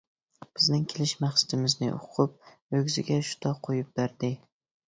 بىزنىڭ كېلىش مەقسىتىمىزنى ئۇقۇپ، ئۆگزىگە شوتا قويۇپ بەردى.